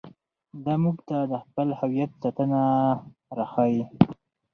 دی موږ ته د خپل هویت ساتنه راښيي.